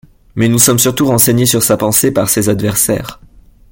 Mais nous sommes surtout renseignés sur sa pensée par ses adversaires.